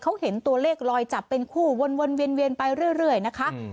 เขาเห็นตัวเลขลอยจับเป็นคู่วนเวียนไปเรื่อยนะคะ